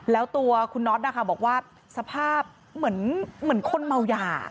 แล้วตัวคุณน็อตนะคะบอกว่าสภาพเหมือนคนเมายา